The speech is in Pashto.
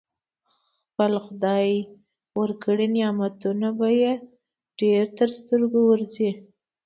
خپل خدای ورکړي نعمتونه به يې ډېر تر سترګو ورځي.